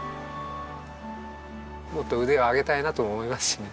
もっと腕を上げたいなとも思いますしね。